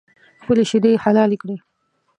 خپلې شیدې یې حلالې کړې